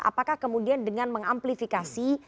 apakah kemudian dengan mengamplifikasi